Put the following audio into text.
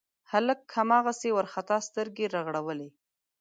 هلک هماغسې وارخطا سترګې رغړولې.